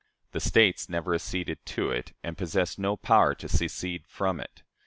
The States never acceded to it, and possess no power to secede from it.